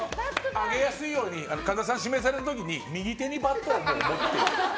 上げやすいように神田さんが指名された時に右手にバッドをもう持って。